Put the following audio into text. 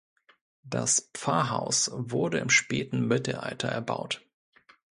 Das Pfarrhaus wurde im späten Mittelalter erbaut.